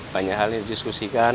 banyak hal yang didiskusikan